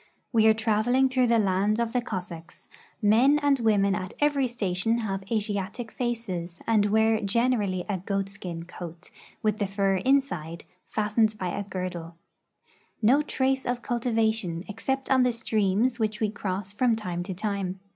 We are trav RUSSIA IN EUROPE 5 eling through the land of the Cossacks; men and women at every station have Asiatic faces, and wear generally a goatskin coat, with the fur inside, fastened by a girdle. No trace of cul tivation, except on the streams which we cross from time to time.